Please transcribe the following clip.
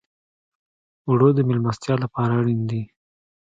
اوړه د میلمستیا لپاره اړین دي